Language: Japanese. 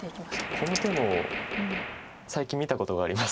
この手も最近見たことがあります。